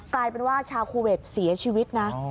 กลายเป็นว่าชาวคูเวทเสียชีวิตนะ